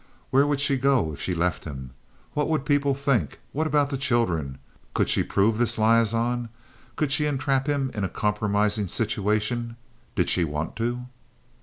Where would she go if she left him? What would people think? What about the children? Could she prove this liaison? Could she entrap him in a compromising situation? Did she want to?